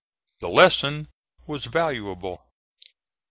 The lesson was valuable.